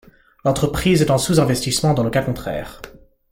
L'entreprise est en sous-investissement dans le cas contraire.